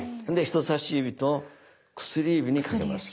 人さし指と薬指にかけます。